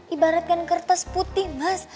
ibaratkan kertas putih mas